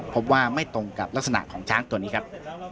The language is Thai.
ไม่ตรงกับลักษณะของช้างตัวนี้ครับ